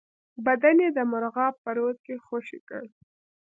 بدن یې د مرغاب په رود کې خوشی کړ.